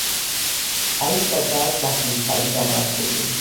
აი, სადაა ძაღლის თავი დამარხული